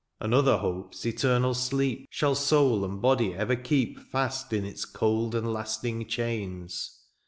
" Another hopes eternal sleep *^ Shall soul and body ever keep " Fast in its cold and lasting chains.